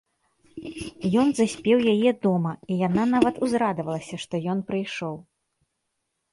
Ён заспеў яе дома, і яна нават узрадавалася, што ён прыйшоў.